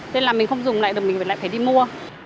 nên là mình không dùng lại được mình lại phải đi mua